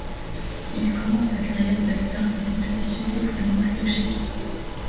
Il commence sa carrière d'acteur avec une publicité pour une marque de chips.